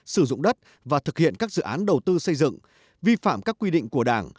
sử dụng đất và thực hiện các dự án đầu tư xây dựng vi phạm các quy định của đảng